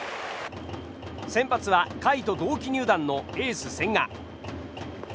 先発は甲斐と同期入団のエース、千賀。